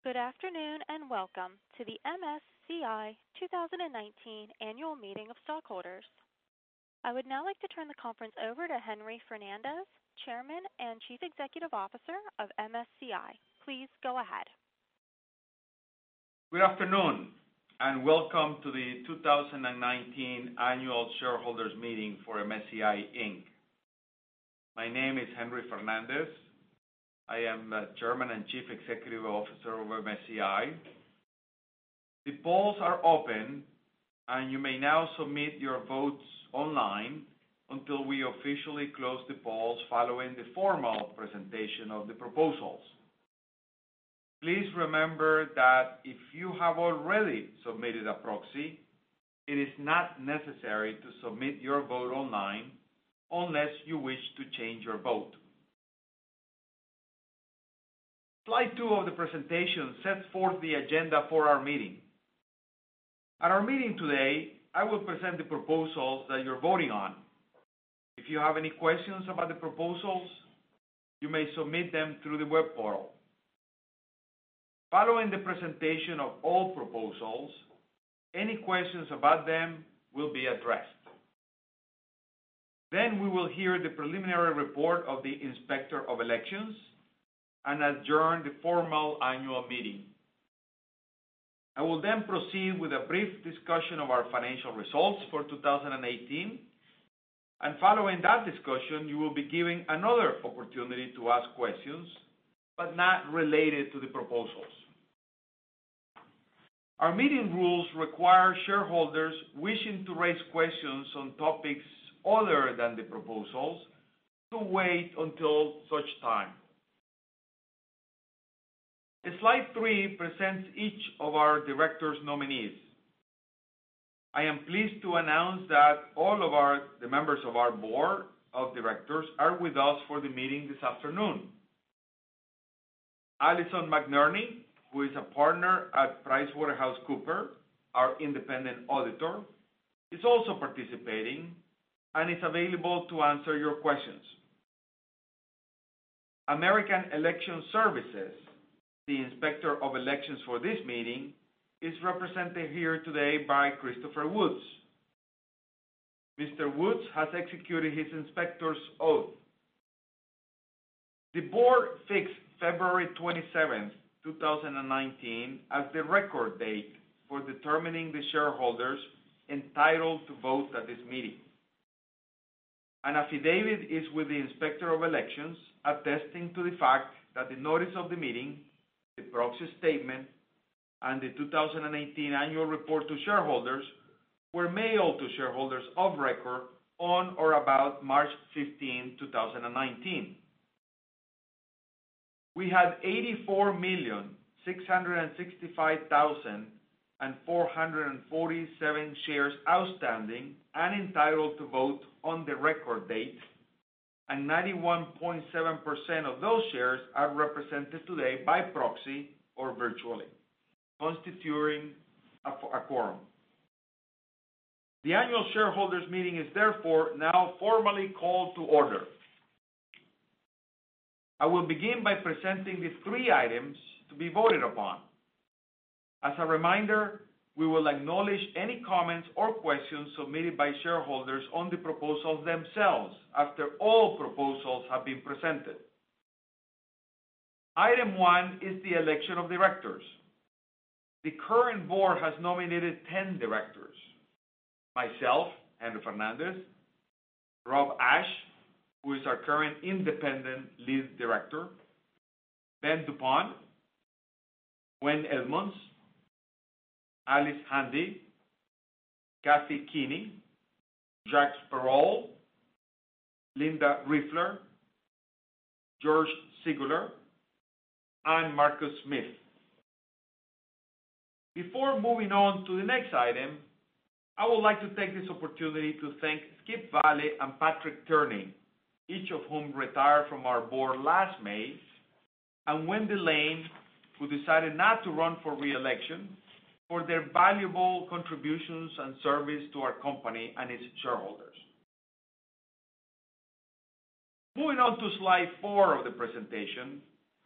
Good afternoon, welcome to the MSCI 2019 Annual Meeting of Stockholders. I would now like to turn the conference over to Henry Fernandez, Chairman and Chief Executive Officer of MSCI. Please go ahead. Good afternoon, welcome to the 2019 Annual Shareholders Meeting for MSCI Inc. My name is Henry Fernandez. I am the Chairman and Chief Executive Officer of MSCI. The polls are open, you may now submit your votes online until we officially close the polls following the formal presentation of the proposals. Please remember that if you have already submitted a proxy, it is not necessary to submit your vote online unless you wish to change your vote. Slide two of the presentation sets forth the agenda for our meeting. At our meeting today, I will present the proposals that you're voting on. If you have any questions about the proposals, you may submit them through the web portal. Following the presentation of all proposals, any questions about them will be addressed. We will hear the preliminary report of the Inspector of Elections and adjourn the formal annual meeting. I will then proceed with a brief discussion of our financial results for 2018, and following that discussion, you will be given another opportunity to ask questions, but not related to the proposals. Our meeting rules require shareholders wishing to raise questions on topics other than the proposals to wait until such time. Slide three presents each of our directors' nominees. I am pleased to announce that all of the members of our board of directors are with us for the meeting this afternoon. Allison McNerney, who is a partner at PricewaterhouseCoopers, our independent auditor, is also participating and is available to answer your questions. American Election Services, the Inspector of Elections for this meeting, is represented here today by Christopher Woods. Mr. Woods has executed his inspector's oath. The board fixed February 27th, 2019, as the record date for determining the shareholders entitled to vote at this meeting. An affidavit is with the Inspector of Elections attesting to the fact that the notice of the meeting, the proxy statement, and the 2018 annual report to shareholders were mailed to shareholders of record on or about March 15, 2019. We had 84,665,447 shares outstanding and entitled to vote on the record date, 91.7% of those shares are represented today by proxy or virtually, constituting a quorum. The annual shareholders meeting is therefore now formally called to order. I will begin by presenting the three items to be voted upon. As a reminder, we will acknowledge any comments or questions submitted by shareholders on the proposals themselves after all proposals have been presented. Item one is the election of directors. The current board has nominated 10 directors. Myself, Henry Fernandez, Rob Ashe, who is our current independent lead director, Ben duPont, Wayne Edmunds, Alice Handy, Kathy Kinney, Jacques Perold, Linda Riefler, George Siguler, and Marcus Smith. Before moving on to the next item, I would like to take this opportunity to thank Skip Valley and Patrick Ryan, each of whom retired from our board last May, and Wendy Lane, who decided not to run for re-election, for their valuable contributions and service to our company and its shareholders. Moving on to slide four of the presentation,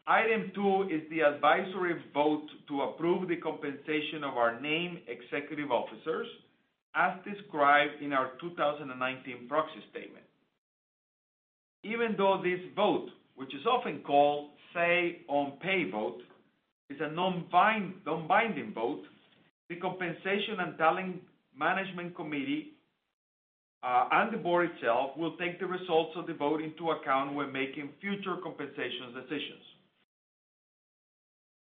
item two is the advisory vote to approve the compensation of our named executive officers as described in our 2019 proxy statement. Even though this vote, which is often called say on pay vote, is a non-binding vote, the compensation and talent management committee, and the board itself will take the results of the vote into account when making future compensation decisions.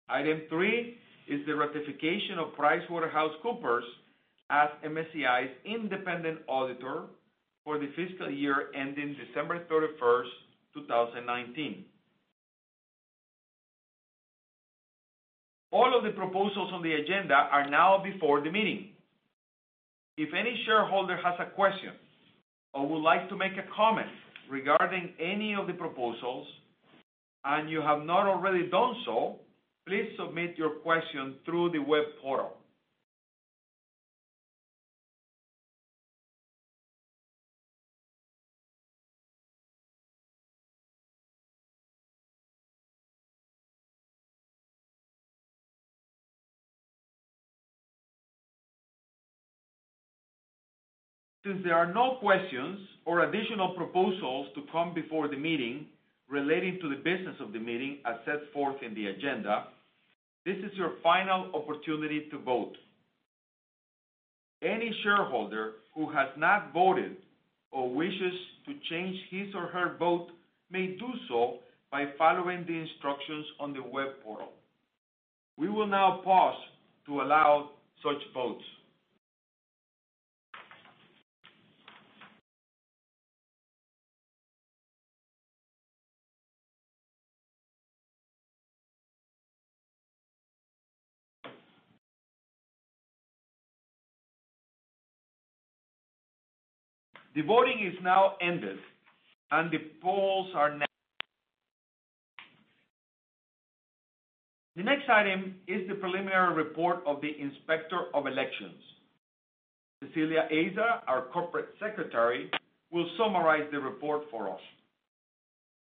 Item three is the ratification of PricewaterhouseCoopers as MSCI's independent auditor for the fiscal year ending December 31st, 2019. All of the proposals on the agenda are now before the meeting. If any shareholder has a question or would like to make a comment regarding any of the proposals, and you have not already done so, please submit your question through the web portal. Since there are no questions or additional proposals to come before the meeting relating to the business of the meeting as set forth in the agenda, this is your final opportunity to vote. Any shareholder who has not voted or wishes to change his or her vote may do so by following the instructions on the web portal. We will now pause to allow such votes. The voting is now ended, and the polls are now. The next item is the preliminary report of the Inspector of Elections. Cecilia Aza, our Corporate Secretary, will summarize the report for us.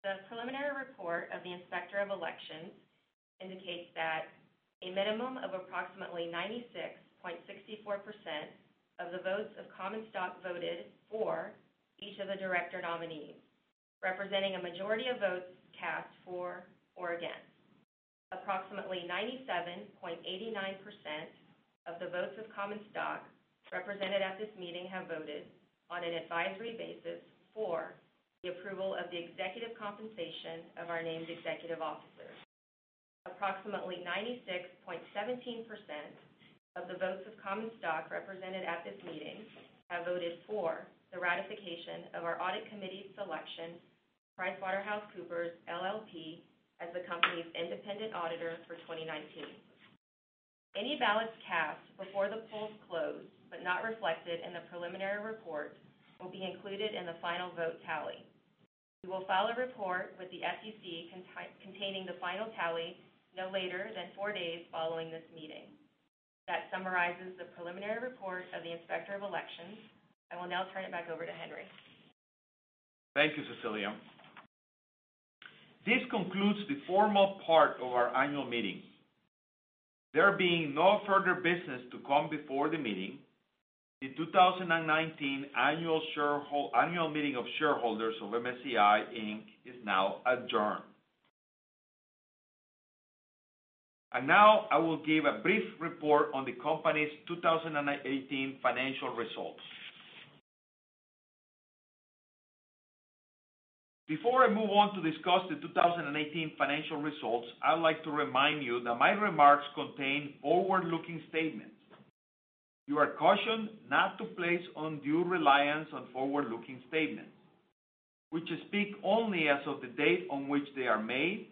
The preliminary report of the Inspector of Elections indicates that a minimum of approximately 96.64% of the votes of common stock voted for each of the director nominees, representing a majority of votes cast for or against. Approximately 97.89% of the votes of common stock represented at this meeting have voted on an advisory basis for the approval of the executive compensation of our named executive officers. Approximately 96.17% of the votes of common stock represented at this meeting have voted for the ratification of our audit committee's selection, PricewaterhouseCoopers LLP, as the company's independent auditor for 2019. Any ballots cast before the polls closed, but not reflected in the preliminary report, will be included in the final vote tally. We will file a report with the SEC containing the final tally no later than four days following this meeting. That summarizes the preliminary report of the Inspector of Elections. I will now turn it back over to Henry. Thank you, Cecilia. This concludes the formal part of our annual meeting. There being no further business to come before the meeting, the 2019 Annual Meeting of Shareholders of MSCI Inc. is now adjourned. Now I will give a brief report on the company's 2018 financial results. Before I move on to discuss the 2018 financial results, I would like to remind you that my remarks contain forward-looking statements. You are cautioned not to place undue reliance on forward-looking statements, which speak only as of the date on which they are made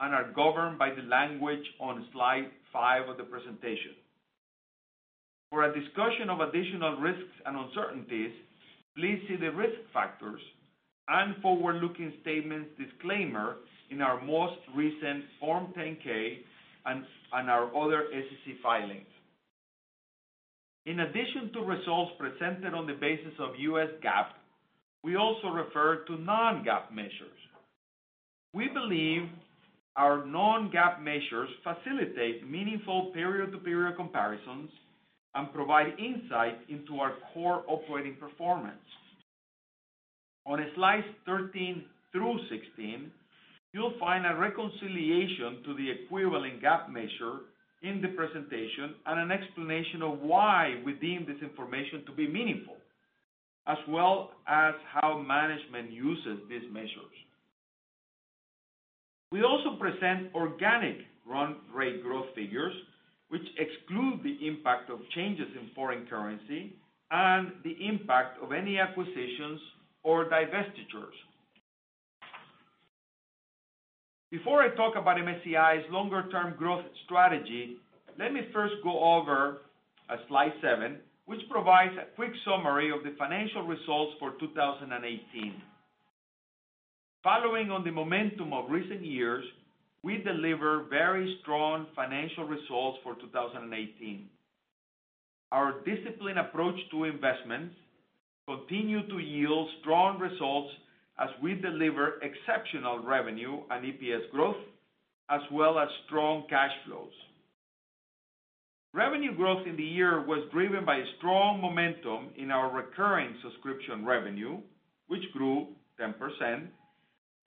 and are governed by the language on slide five of the presentation. For a discussion of additional risks and uncertainties, please see the Risk Factors and Forward-Looking Statements Disclaimer in our most recent Form 10-K and our other SEC filings. In addition to results presented on the basis of U.S. GAAP, we also refer to non-GAAP measures. We believe our non-GAAP measures facilitate meaningful period-to-period comparisons and provide insight into our core operating performance. On slides 13 through 16, you'll find a reconciliation to the equivalent GAAP measure in the presentation and an explanation of why we deem this information to be meaningful, as well as how management uses these measures. We also present organic run rate growth figures, which exclude the impact of changes in foreign currency and the impact of any acquisitions or divestitures. Before I talk about MSCI's longer-term growth strategy, let me first go over slide seven, which provides a quick summary of the financial results for 2018. Following on the momentum of recent years, we delivered very strong financial results for 2018. Our disciplined approach to investments continue to yield strong results as we deliver exceptional revenue and EPS growth, as well as strong cash flows. Revenue growth in the year was driven by strong momentum in our recurring subscription revenue, which grew 10%,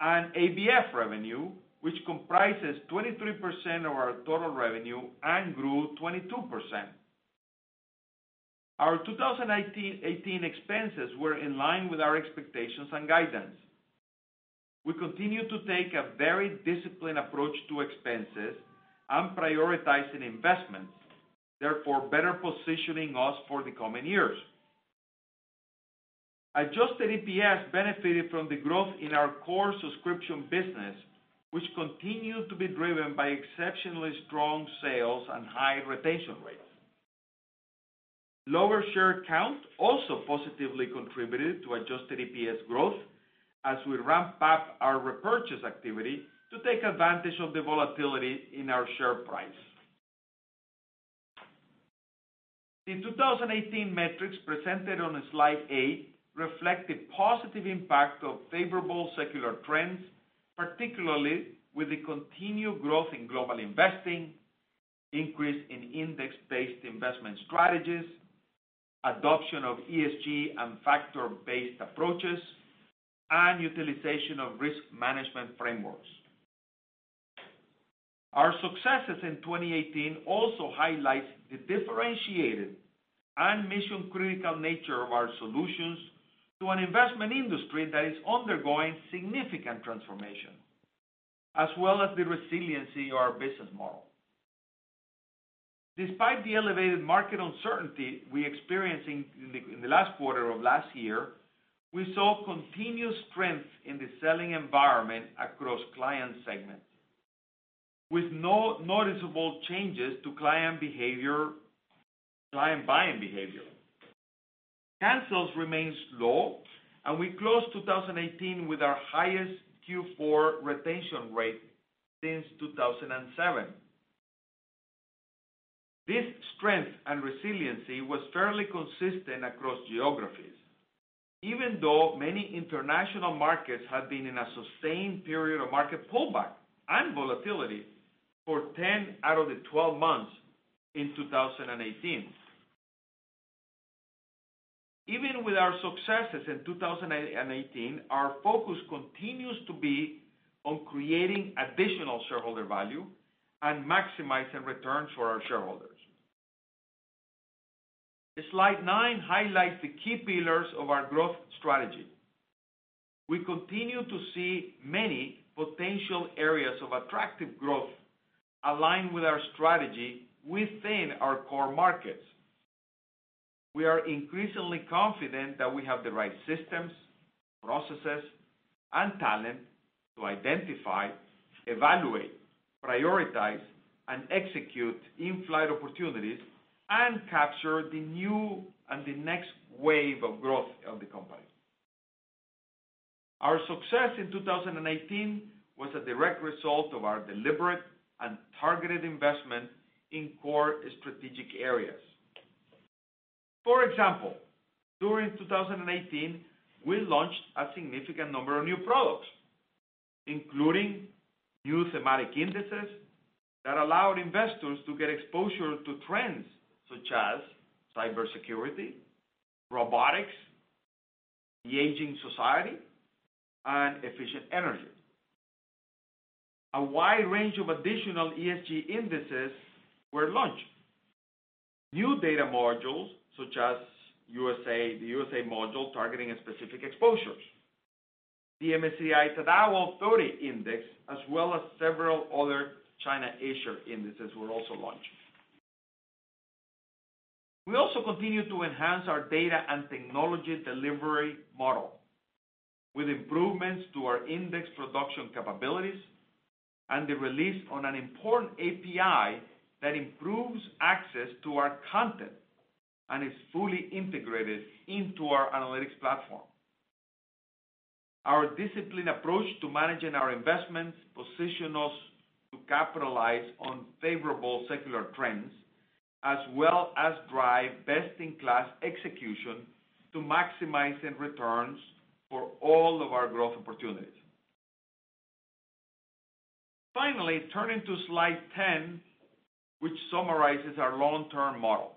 and ABF revenue, which comprises 23% of our total revenue and grew 22%. Our 2018 expenses were in line with our expectations and guidance. We continue to take a very disciplined approach to expenses and prioritizing investments, therefore better positioning us for the coming years. Adjusted EPS benefited from the growth in our core subscription business, which continued to be driven by exceptionally strong sales and high retention rates. Lower share count also positively contributed to adjusted EPS growth as we ramp up our repurchase activity to take advantage of the volatility in our share price. The 2018 metrics presented on Slide A reflect the positive impact of favorable secular trends, particularly with the continued growth in global investing, increase in index-based investment strategies, adoption of ESG and factor-based approaches, and utilization of risk management frameworks. Our successes in 2018 also highlight the differentiated and mission-critical nature of our solutions to an investment industry that is undergoing significant transformation, as well as the resiliency of our business model. Despite the elevated market uncertainty we experienced in the last quarter of last year, we saw continued strength in the selling environment across client segments, with no noticeable changes to client buying behavior. Cancels remains low, and we closed 2018 with our highest Q4 retention rate since 2007. This strength and resiliency was fairly consistent across geographies, even though many international markets have been in a sustained period of market pullback and volatility for 10 out of the 12 months in 2018. Even with our successes in 2018, our focus continues to be on creating additional shareholder value and maximizing returns for our shareholders. Slide nine highlights the key pillars of our growth strategy. We continue to see many potential areas of attractive growth aligned with our strategy within our core markets. We are increasingly confident that we have the right systems, processes, and talent to identify, evaluate, prioritize, and execute in-flight opportunities and capture the new and the next wave of growth of the company. Our success in 2018 was a direct result of our deliberate and targeted investment in core strategic areas. For example, during 2018, we launched a significant number of new products, including new thematic indices that allowed investors to get exposure to trends such as cybersecurity, robotics, the aging society, and efficient energy. A wide range of additional ESG indices were launched. New data modules, such as the USA module targeting specific exposures, the MSCI Tadawul 30 Index, as well as several other China A-Share indices were also launched. We also continue to enhance our data and technology delivery model with improvements to our index production capabilities and the release on an important API that improves access to our content and is fully integrated into our analytics platform. Our disciplined approach to managing our investments position us to capitalize on favorable secular trends, as well as drive best-in-class execution to maximize the returns for all of our growth opportunities. Finally, turning to Slide 10, which summarizes our long-term model.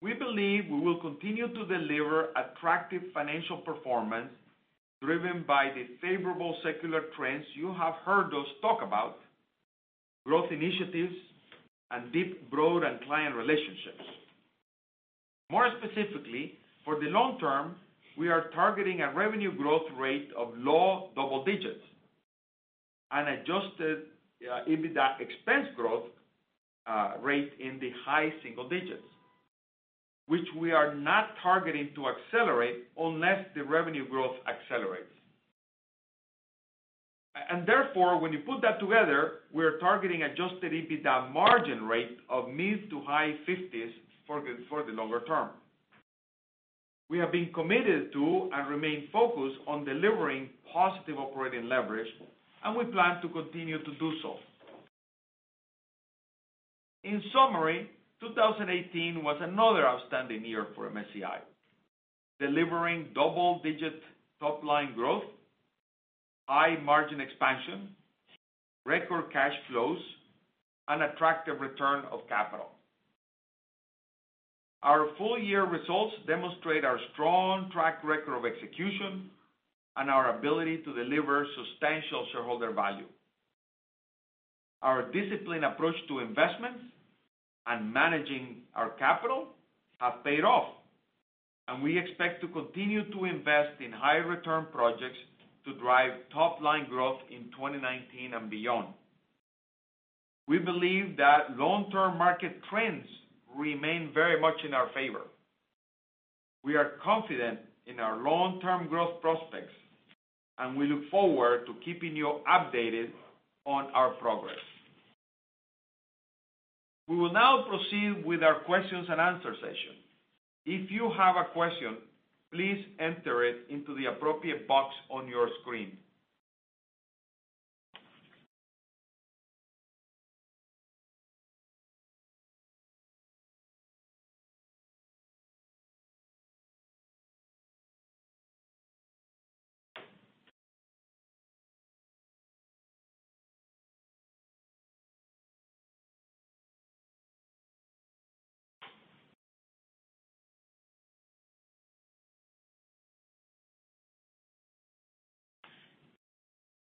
We believe we will continue to deliver attractive financial performance driven by the favorable secular trends you have heard us talk about, growth initiatives, and deep, broad, and client relationships. More specifically, for the long term, we are targeting a revenue growth rate of low double digits and adjusted EBITDA expense growth rate in the high single digits, which we are not targeting to accelerate unless the revenue growth accelerates. Therefore, when you put that together, we're targeting adjusted EBITDA margin rate of mid to high 50s for the longer term. We have been committed to and remain focused on delivering positive operating leverage, and we plan to continue to do so. In summary, 2018 was another outstanding year for MSCI, delivering double-digit top-line growth, high margin expansion, record cash flows, and attractive return of capital. Our full year results demonstrate our strong track record of execution and our ability to deliver substantial shareholder value. Our disciplined approach to investments and managing our capital have paid off, and we expect to continue to invest in high return projects to drive top-line growth in 2019 and beyond. We believe that long-term market trends remain very much in our favor. We are confident in our long-term growth prospects, and we look forward to keeping you updated on our progress. We will now proceed with our questions and answer session. If you have a question, please enter it into the appropriate box on your screen.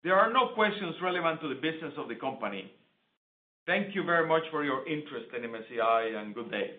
There are no questions relevant to the business of the company. Thank you very much for your interest in MSCI, and good day.